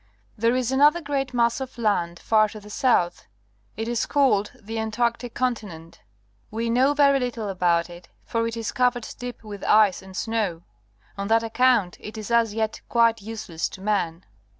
There is another great mass of land far to the south. It is called the Antarctic Continent. We know very little about it, for it is covered deep with ice and snow. On that account it is as j^et quite useless to man.